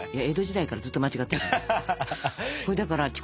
江戸時代からずっと間違ってるから。